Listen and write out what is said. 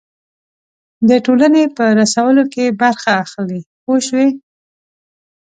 د ټولنې په رسولو کې برخه اخلي پوه شوې!.